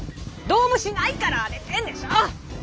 どうもしないから荒れてんでしょ！